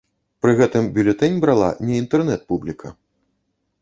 Пры гэтым бюлетэнь брала не інтэрнэт-публіка.